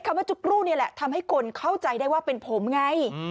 ว่าจุ๊กรูนี่แหละทำให้คนเข้าใจได้ว่าเป็นผมไง